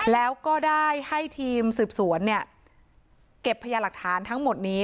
แล้วก็ได้ให้ทีมสืบสวนเก็บพยาหลักฐานทั้งหมดนี้